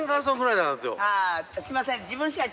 あすいません。